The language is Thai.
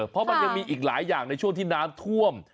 เพราะมันยังมีอีกหลายอย่างในช่วงที่น้ำท่วม